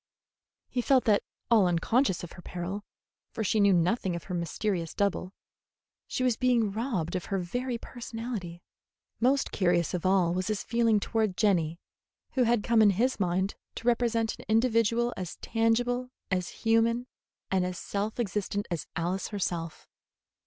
He felt that, all unconscious of her peril, for she knew nothing of her mysterious double, she was being robbed of her very personality. Most curious of all was his feeling toward Jenny, who had come in his mind to represent an individual as tangible, as human, and as self existent as Alice herself.